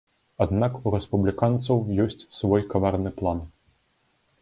Аднак у рэспубліканцаў ёсць свой каварны план.